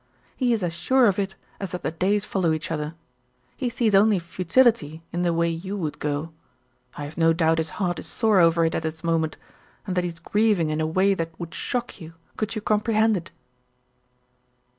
He is as sure of it as that the days follow each other. He sees only futility in the way you would go. I have no doubt his heart is sore over it at this moment, and that he is grieving in a way that would shock you, could you comprehend it."